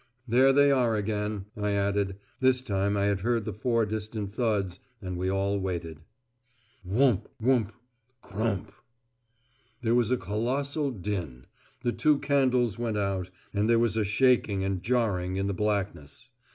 "There they are again," I added. This time I had heard the four distant thuds, and we all waited. "Wump, wump CRUMP." There was a colossal din, the two candles went out, and there was a shaking and jarring in the blackness.